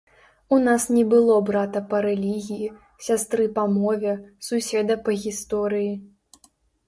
У нас не было брата па рэлігіі, сястры па мове, суседа па гісторыі.